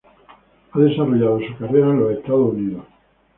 Ha desarrollado su carrera en los Estados Unidos.